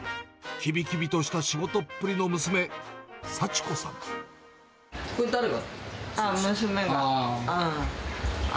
きびきびとした仕事っぷりのこれは誰が？